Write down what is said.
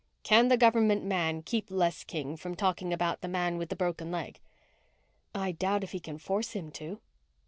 "Can the government man keep Les King from talking about the man with the broken leg?" "I doubt if he can force him to."